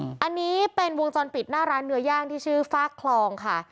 อันนี้เป็นวงจรปิดหน้าร้านเนื้อย่างที่ชื่อฟากคลองค่ะ